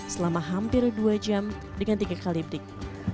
selama hampir dua jam dengan tiga kali pindik